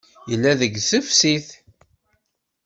Yella deg teftist.